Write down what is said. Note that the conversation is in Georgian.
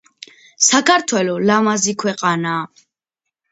საქართველო ლამაზი ქვეყანა